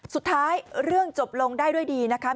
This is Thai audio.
สุดท้ายเรื่องจบลงได้ด้วยดีนะคะ